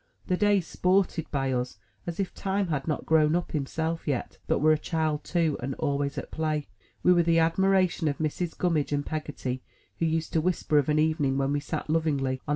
The days sported by us, as if Time had not grown up himself yet, but were a child too, and always at play. We were the admiration of Mrs. Gummidge and Peggotty, who used to whisper of an evening when we sat, lovingly, on.